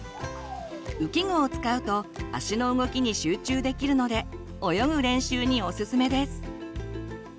浮き具を使うと足の動きに集中できるので泳ぐ練習にオススメです。